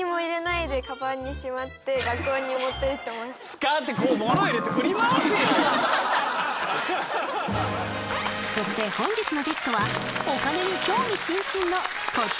使ってそして本日のゲストはお金に興味津々のこちらのお三方。